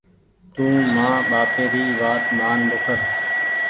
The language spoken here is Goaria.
تونٚ مآن ٻآپي ري وآت مآن ٻوکر۔